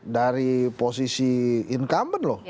dari posisi incumbent loh